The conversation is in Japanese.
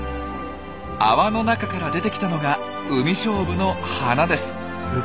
泡の中から出てきたのがウミショウブの花です。